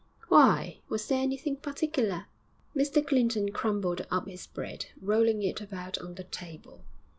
'Why, was there anything particular?' Mr Clinton crumbled up his bread, rolling it about on the table.